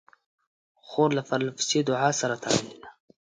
خور له پرله پسې دعا سره تړلې ده.